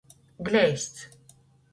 Gleizds.